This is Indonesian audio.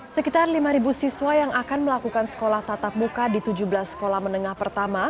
sekitar lima siswa yang akan melakukan sekolah tatap muka di tujuh belas sekolah menengah pertama